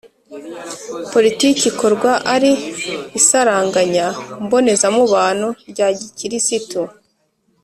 politike ikorwa ari: isaranganya mbonezamubano rya gikirisitu